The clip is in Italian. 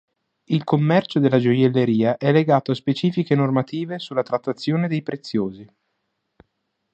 Il commercio della gioielleria è legato a specifiche normative sulla trattazione dei preziosi.